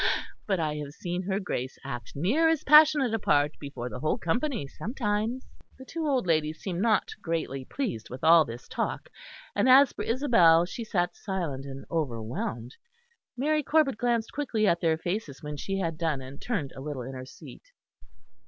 But I have seen her Grace act near as passionate a part before the whole company sometimes." The two old ladies seemed not greatly pleased with all this talk; and as for Isabel she sat silent and overwhelmed. Mary Corbet glanced quickly at their faces when she had done, and turned a little in her seat.